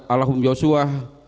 al mahum yosua